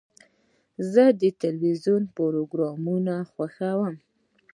زه د تلویزیون پروګرام خوښوم.